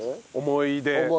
思い出。